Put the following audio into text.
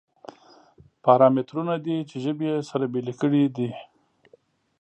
پارامترونه دي چې ژبې یې سره بېلې کړې دي.